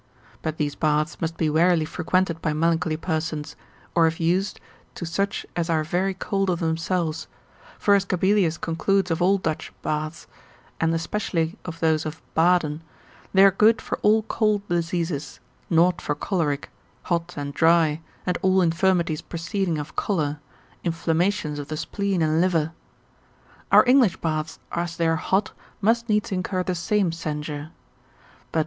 But these baths must be warily frequented by melancholy persons, or if used, to such as are very cold of themselves, for as Gabelius concludes of all Dutch baths, and especially of those of Baden, they are good for all cold diseases, naught for choleric, hot and dry, and all infirmities proceeding of choler, inflammations of the spleen and liver. Our English baths, as they are hot, must needs incur the same censure: but D.